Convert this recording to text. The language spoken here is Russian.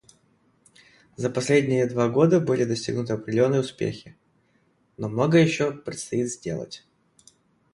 За последние два года были достигнуты определенные успехи, но многое еще предстоит сделать.